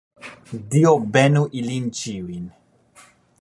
Dio benu ilin ĉiujn!